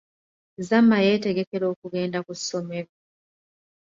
Zama yetegekera okugenda ku ssomero.